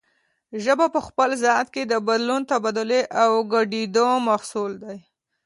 ژبه په خپل ذات کې د بدلون، تبادلې او ګډېدو محصول دی